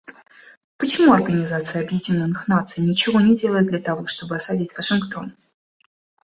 Почему Организация Объединенных Наций ничего не делает для того, чтобы осадить Вашингтон?